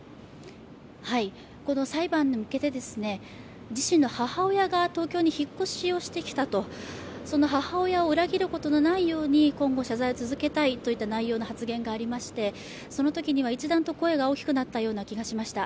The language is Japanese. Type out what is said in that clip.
この裁判に向けて、自身の母親が東京に引っ越しをしてきたと、その母親を裏切ることのないように今後謝罪を続けたいといった内容の発言がありまして、そのときには一段と声が大きくなったような気がしました。